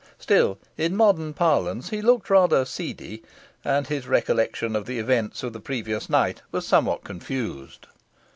Still, in modern parlance, he looked rather "seedy," and his recollection of the events of the previous night was somewhat confused.